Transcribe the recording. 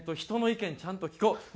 人の意見ちゃんと聞こう。